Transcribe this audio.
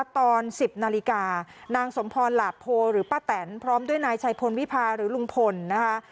ตอน๑๐นาฬิกานางสมพรหลาโพหรือป้าแตนพร้อมด้วยนายชัยพลวิพาหรือลุงพลนะคะ